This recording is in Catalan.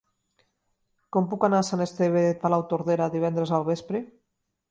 Com puc anar a Sant Esteve de Palautordera divendres al vespre?